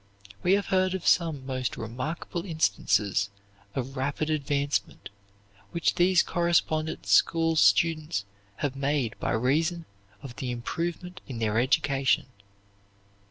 We have heard of some most remarkable instances of rapid advancement which these correspondence school students have made by reason of the improvement in their education.